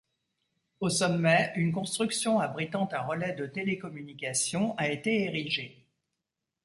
Au sommet, une construction abritant un relais de télécommunications a été érigé.